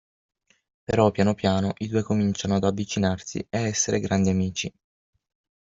Però, piano piano i due cominciano ad avvicinarsi e a essere grandi amici.